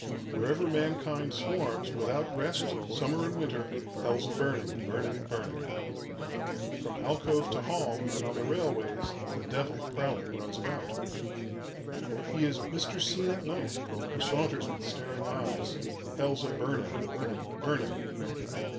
"Wherever mankind swarms, without rest, summer and winter, Hell's a burning, burning, burning. "From alcove to hall, and on the rail ways, the Devil, prowling, runs about. "He is Mr. Seen at Night, who saunters with staring eyes. Hell's a burning, burning, burning.